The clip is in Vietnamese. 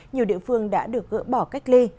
nhiều địa phương đã được gỡ bỏ cách ly